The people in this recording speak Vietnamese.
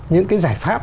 những cái giải pháp